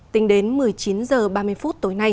tính đến một mươi chín h ba mươi